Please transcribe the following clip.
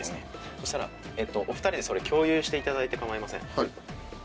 そしたらお二人でそれ共有して頂いて構いません。